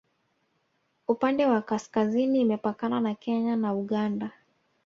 upande wa kaskazini imepakana na kenya na uganda